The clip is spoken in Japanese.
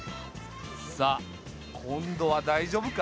さあ今度は大丈夫か？